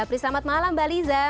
selamat malam mbak liza